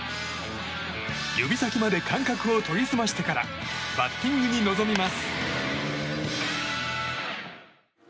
指先まで感覚を研ぎ澄ましてからバッティングに臨みます。